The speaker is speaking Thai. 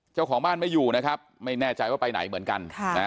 เจ้าของบ้านไม่อยู่นะครับไม่แน่ใจว่าไปไหนเหมือนกัน